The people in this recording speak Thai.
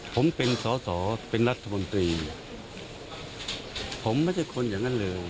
ผมเป็นสอสอเป็นรัฐมนตรีผมไม่ใช่คนอย่างนั้นเลย